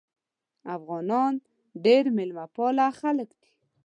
افغانان ډیر میلمه پاله خلک دي.